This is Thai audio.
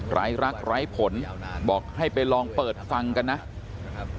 รักไร้ผลบอกให้ไปลองเปิดฟังกันนะครับ